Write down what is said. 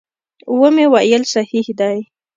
ومې ویل صحیح دي.